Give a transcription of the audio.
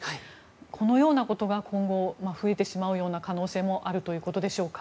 このようなことが今後増えてしまうような可能性もあるということでしょうか。